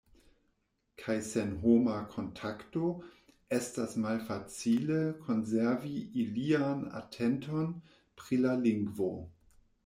Kaj sen homa kontakto, estas malfacile konservi ilian atenton pri la lingvo.